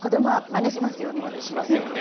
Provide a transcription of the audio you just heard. まねしますよね。